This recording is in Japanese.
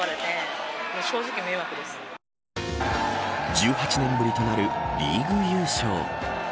１８年ぶりとなるリーグ優勝。